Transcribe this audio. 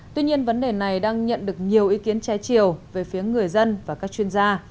tuy nhiên vấn đề này đang nhận được nhiều ý kiến trái chiều về phía người dân và các chuyên gia